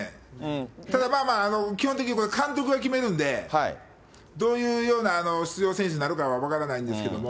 ただまあまあ、基本的にこれ、監督が決めるんで、どういうような出場選手になるか分からないんですけれども。